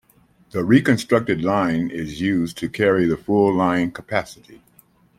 The reconstructed line is used to carry the full line capacity.